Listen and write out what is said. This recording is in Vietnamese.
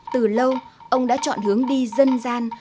từ lâu ông đã chọn hướng đi dân gian